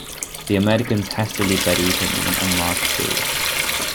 The Americans hastily buried him in an unmarked grave.